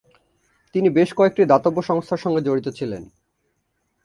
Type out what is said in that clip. তিনি বেশ কয়েকটি দাতব্য সংস্থার সাথে জড়িত ছিলেন।